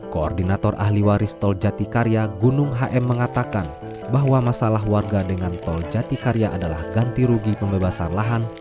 koordinator ahli waris tol jatikarya gunung hm mengatakan bahwa masalah warga dengan tol jatikarya adalah ganti rugi pembebasan lahan